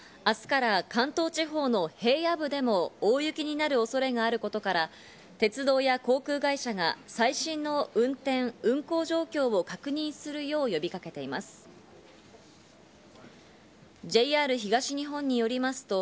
明日から関東地方の平野部でも大雪になる恐れがあることから、鉄道や航空会社が最新の運転・運航状況を確認するよう、呼びかけています。